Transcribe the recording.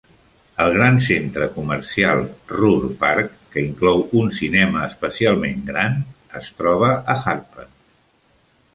El gran centre comercial Ruhrpark, que inclou un cinema especialment gran, es troba a Harpen.